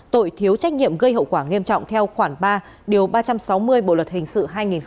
tội thiếu trách nhiệm gây hậu quả nghiêm trọng theo khoảng ba điều ba trăm sáu mươi bộ luật hình sự hai nghìn một mươi năm